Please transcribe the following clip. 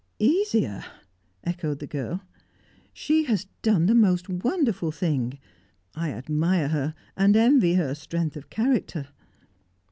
"Easier!" echoed the girl. "She has done the most wonderful thing! I admire her, and envy her strength of character."